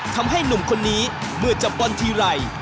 ทำให้หนุ่มคนนี้เมื่อจับบอลทีไร